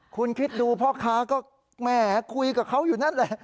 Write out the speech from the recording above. คุณคิดดูพ่อค้าก็แหมคุยกับเขาอยู่นั่นแหละ